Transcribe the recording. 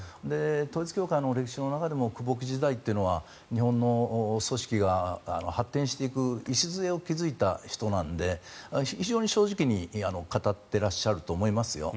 統一教会の歴史の中でも久保木時代というのは日本の組織が発展していく礎を築いた人なので非常に正直に語ってらっしゃると思いますよ。